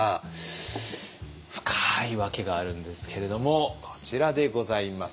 深い訳があるんですけれどもこちらでございます。